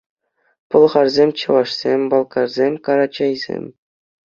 Пӑлхарсем, чӑвашсем, балкарсем, карачайсем.